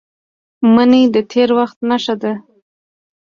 منی د تېر وخت نښه ده